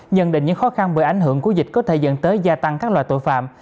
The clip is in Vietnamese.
nhận định những khó khăn bởi ảnh hưởng của dịch có thể dẫn tới gia tăng các loại tội phạm